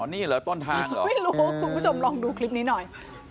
นี่เหรอต้นทางเหรอไม่รู้คุณผู้ชมลองดูคลิปนี้หน่อย